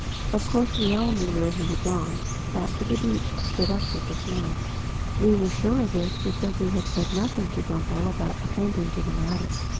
Of course we all knew where he had gone: back to the beach to sit up with the snail. We were sure of it because he had said nothing to Bumpo about attending to the matter.